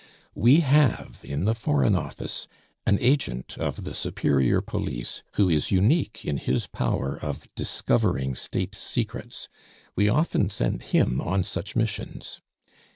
"We have in the Foreign Office an agent of the superior police who is unique in his power of discovering State secrets; we often send him on such missions.